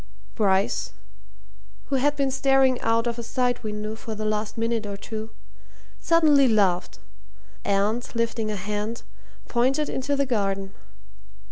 Bryce, who had been staring out of a side window for the last minute or two, suddenly laughed, and, lifting a hand, pointed into the garden.